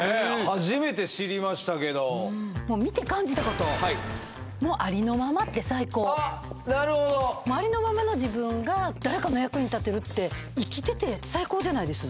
初めて知りましたけどもう見て感じたことあっなるほどありのままの自分が誰かの役に立てるって生きてて最高じゃないです？